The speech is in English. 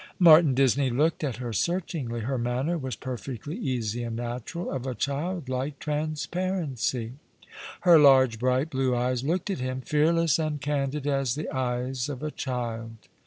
Martin Disney looked at her searchingly. Her manner was perfectly easy and natural, of a childlike transparency. Her largo, bright, blue eyes looked at him — fearless and candid as the eyes of a child.